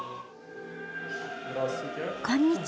こんにちは！